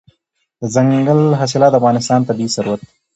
دځنګل حاصلات د افغانستان طبعي ثروت دی.